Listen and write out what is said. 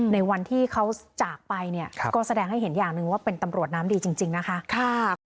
ในวันที่เขาจากไปเนี่ยก็แสดงให้เห็นอย่างหนึ่งว่าเป็นตำรวจน้ำดีจริงนะคะ